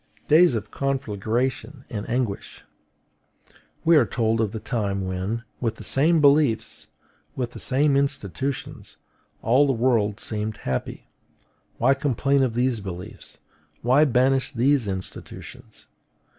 Days of conflagration and anguish! We are told of the time when, with the same beliefs, with the same institutions, all the world seemed happy: why complain of these beliefs; why banish these institutions?